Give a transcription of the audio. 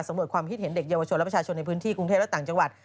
ความคิดเห็นเด็กเยาวชนและประชาชนในพื้นที่กรุงเทพและต่างจังหวัด